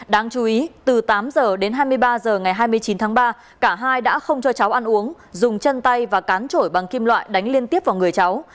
đáng chú ý từ tám h đến hai mươi ba h ngày hai mươi chín tháng ba cả hai đã không cho cháu ăn uống dùng chân tay và cán trổi bằng kim loại đánh liên tiếp vào người cháu